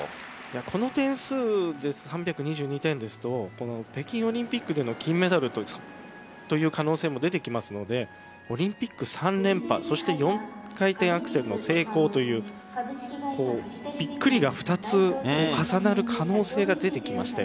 この点数で３２２点ですと北京オリンピックでの金メダルという可能性も出てきますのでオリンピック３連覇、そして４回転アクセルの成功というびっくりが２つ重なる可能性が出てきました。